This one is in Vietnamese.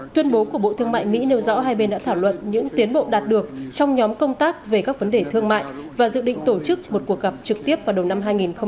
tuyên bố của bộ thương mại mỹ nêu rõ hai bên đã thảo luận những tiến bộ đạt được trong nhóm công tác về các vấn đề thương mại và dự định tổ chức một cuộc gặp trực tiếp vào đầu năm hai nghìn hai mươi